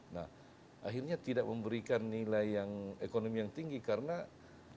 nah akhirnya tidak memberikan nilai ekonomi yang tinggi karena infrastruktur